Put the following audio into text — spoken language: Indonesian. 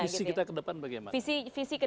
dan visi kita ke depan bagaimana